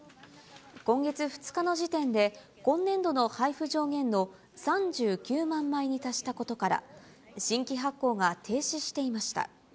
今月２日の時点で、今年度の配布上限の３９万枚に達したことから、新規発行が停止していました。